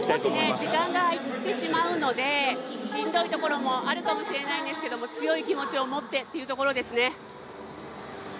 少し時間が空いてしまうので、しんどいところもあるかもしれませんが強い気持ちを持ってというところですね。